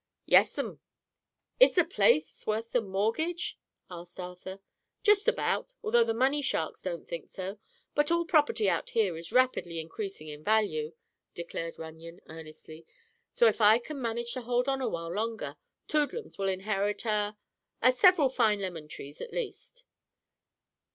"Yes'm." "Is the place worth the mortgage?" inquired Arthur. "Just about, although the money sharks don't think so. But all property out here is rapidly increasing in value," declared Runyon, earnestly, "so, if I can manage to hold on a while longer, Toodlums will inherit a—a—several fine lemon trees, at least."